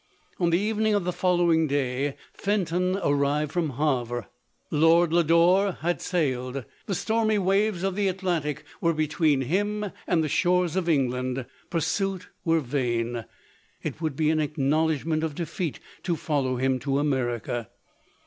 On the evening of the following day, Fenton arrived from Havre. Lord Lodore had sailed, the stormy waves of the Atlantic were between him and the shores of England ; pur suit were vain ; it would be an acknowledgment of defeat to follow him to America.